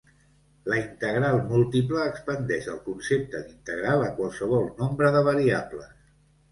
La integral múltiple expandeix el concepte d'integral a qualsevol nombre de variables.